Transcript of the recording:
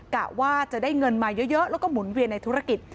กะว่าจะได้เงินมาเยอะแล้วก็หมุนเวียนในธุรกิจ